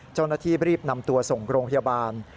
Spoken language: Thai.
เจ้าหน้าที่รีบนำตัวส่งโรงพยาบาล